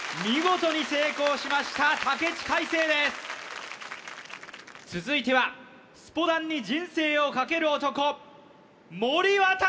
見事に成功しました武知海青です続いてはスポダンに人生を懸ける男森渉！